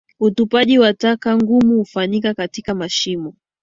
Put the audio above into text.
Utupaji wa taka ngumu hufanyika katika mashimo